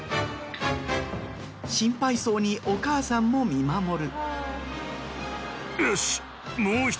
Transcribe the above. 心配そうにお母さんも見守る。